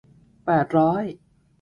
แปดร้อย